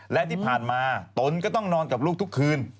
และที่ผ่านมาตนก็ต้องนอนกับลูกทุกคืน